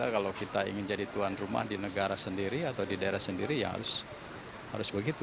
kalau kita ingin jadi tuan rumah di negara sendiri atau di daerah sendiri ya harus begitu